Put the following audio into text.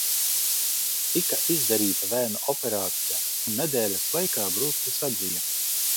Tika izdarīta vēnu operācija, un nedēļas laikā brūce sadzija.